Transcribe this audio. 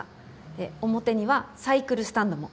で表にはサイクルスタンドも。